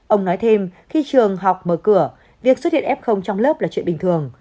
ông nói thêm khi trường học mở cửa việc xuất hiện f trong lớp là chuyện bình thường